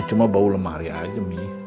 cuma bau lemari aja